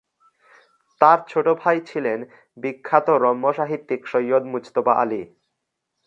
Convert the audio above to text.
তার ছোট ভাই ছিলেন বিখ্যাত রম্য সাহিত্যিক সৈয়দ মুজতবা আলী।